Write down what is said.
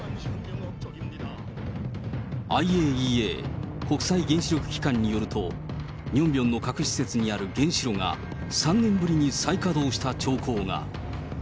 ＩＡＥＡ・国際原子力機関によると、ニョンビョンの核施設にある原子炉が、３年ぶりに再稼働した兆候が。